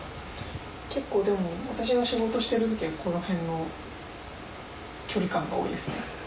結構でも私が仕事してる時この辺の距離感が多いですね。